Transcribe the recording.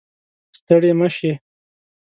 ستړې مه شې